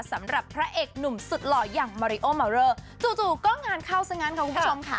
สำหรับพระเอกหนุ่มสุดหล่ออย่างมาริโอมาเรอจู่ก็งานเข้าซะงั้นค่ะคุณผู้ชมค่ะ